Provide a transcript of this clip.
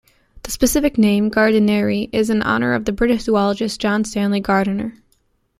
The specific name, "gardineri", is in honor of British zoologist John Stanley Gardiner.